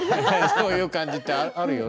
そういう感じってあるよね。